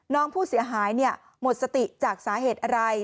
น้องผู้เสียหายหมดสติจากสาเหตุอะไร